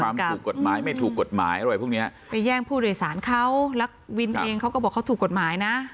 ถูกกฎหมายไม่ถูกกฎหมายอะไรพวกเนี้ยไปแย่งผู้โดยสารเขาแล้ววินเองเขาก็บอกเขาถูกกฎหมายนะ